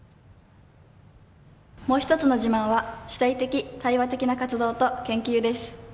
もう１つの自慢は主体的、対話的な活動と研究です。